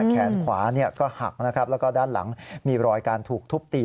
แขนขวาก็หักนะครับแล้วก็ด้านหลังมีรอยการถูกทุบตี